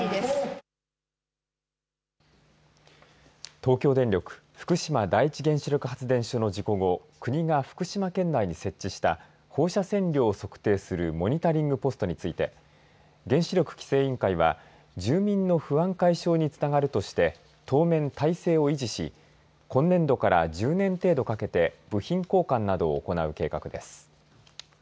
東京電力福島第一原子力発電所の事故後国が福島県内に設置した放射線量を測定するモリタリングポストについて原子力規制委員会は住民の不安解消につながるとして当面態勢を維持し今年度から１０年程度かけて部品交換などを行う計画です。